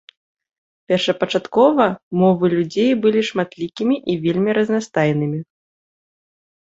Першапачаткова, мовы людзей былі шматлікімі і вельмі разнастайнымі.